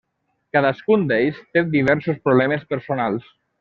Cadascun d'ells té diversos problemes personals.